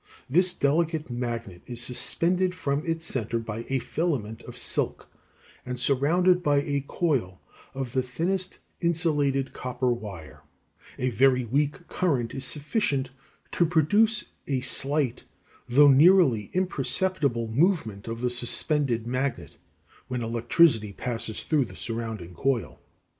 This delicate magnet is suspended from its center by a filament of silk and surrounded by a coil (b) of the thinnest insulated copper wire. [Illustration: FIG. 19. The Reflecting Magnet.] A very weak current is sufficient to produce a slight, though nearly imperceptible, movement of the suspended magnet when electricity passes through the surrounding coil.